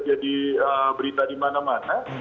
jadi berita di mana mana